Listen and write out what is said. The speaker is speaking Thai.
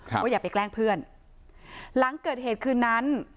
ว่าอย่าไปแกล้งเพื่อนหลังเกิดเหตุคืนนั้น